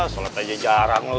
sholat aja jarang loh